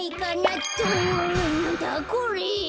おおなんだこれ？